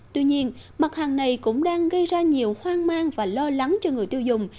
tuy nhiên mặt hàng này cũng đang gây ra nhiều hoang mang và lo lắng cho người tiêu dùng